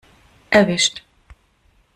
Erwischt!